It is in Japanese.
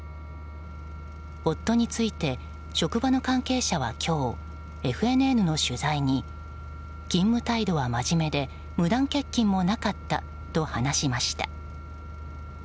夫について、職場の関係者は今日ＦＮＮの取材に勤務態度はまじめで、無断欠勤もなかったと話しました。